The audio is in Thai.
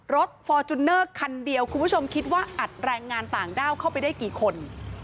ฟอร์จูเนอร์คันเดียวคุณผู้ชมคิดว่าอัดแรงงานต่างด้าวเข้าไปได้กี่คน